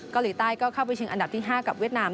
เกาหลีใต้ก็เข้าไปชิงอันดับที่๕กับเวียดนาม